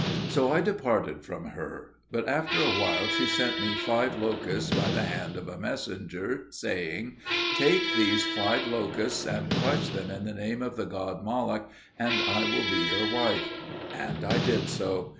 So I departed from her. But after a little, she sent me five locusts by the hand of a messenger, saying, "Take these five locusts and crush them in the name of the god Moloch, and I will be your wife." And I did so.